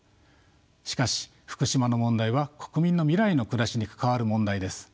しかし福島の問題は国民の未来の暮らしに関わる問題です。